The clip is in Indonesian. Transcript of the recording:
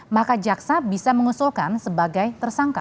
maka jaksa bisa mengusulkan sebagai tersangka